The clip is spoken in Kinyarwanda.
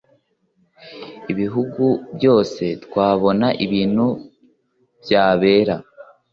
mu bihugu byose twahabona ibintu byabera